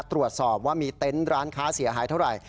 ตรวจสอบว่ามีเต็นต์ร้านค้าเสียหายเท่าไหร่